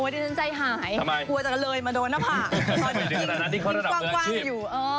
ดิฉันใจหาย